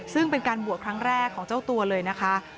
ซึ่งเป็นการบวชครั้งแรกของเจ้าตัวเลยนะคะ